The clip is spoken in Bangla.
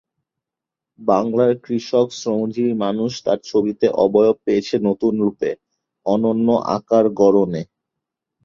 বাংলার কৃষক-শ্রমজীবী মানুষ তাঁর ছবিতে অবয়ব পেয়েছে নতুন রূপে, অনন্য আকার-গড়নে।